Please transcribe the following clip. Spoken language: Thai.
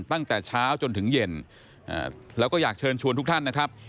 ตั้งแต่เช้าจนถึงเย็นแล้วก็อยากเชิญชวนทุกท่านนะครับ